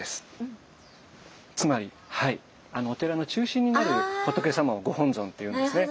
つまりお寺の中心にある仏様をご本尊って言うんですね。